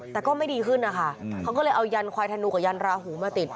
แต่ก็ไม่ดีขึ้นนะคะเขาก็เลยเอายันควายธนูกับยันราหูมาติด